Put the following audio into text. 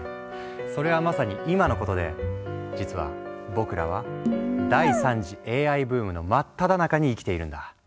それはまさに今のことで実は僕らは第３次ＡＩブームのまっただ中に生きているんだ。